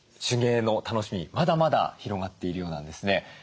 手芸の楽しみまだまだ広がっているようなんですね。